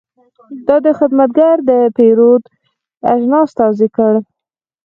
دا خدمتګر د پیرود اجناس توضیح کړل.